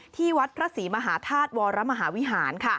ที่วัดพระศรีมหาธาตุวรมหาวิหาร